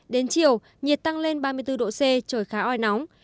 đến chiều nhiệt tăng lên ba mươi bốn độ c trời khá oi nóng